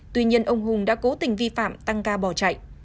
tuy nhiên ông hùng đã cố tình vi phạm tăng ca bỏ chạy